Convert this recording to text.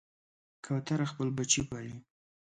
کوتره خپل بچي پالي.